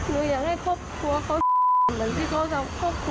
นึงอยากให้ครอบครัวเค้าเหมือนที่เค้าจะครอบครัวนึง